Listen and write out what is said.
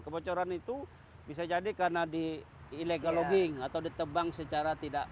kebocoran itu bisa jadi karena di illegal logging atau ditebang secara tidak